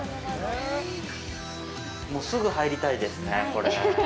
もう、すぐ入りたいですね、これ。